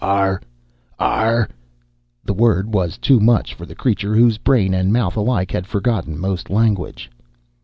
"Huh! Ah ar " The word was too much for the creature, whose brain and mouth alike had forgotten most language.